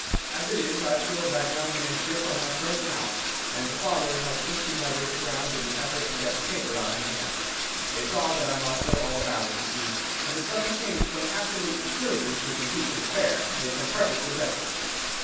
As it is, I feel that young man's grip on my throat now, and the father has twisted my wrist round in the effort to get the paper out of my hand. They saw that I must know all about it, you see, and the sudden change from absolute security to complete despair made them perfectly desperate.